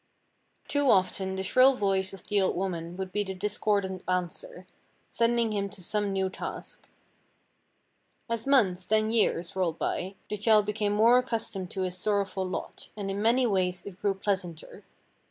Too often the shrill voice of the old woman would be the discordant answer, sending him to some new task. As months, then years, rolled by, the child became more accustomed to his sorrowful lot, and in many ways it grew pleasanter.